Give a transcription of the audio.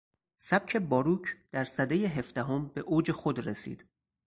سبک باروک در سدهی هفدهم به اوج خود رسید.